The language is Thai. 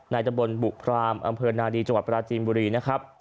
ตะบนบุพรามอำเภอนาดีจังหวัดปราจีนบุรีนะครับ